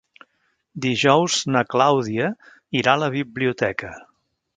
Dijous na Clàudia irà a la biblioteca.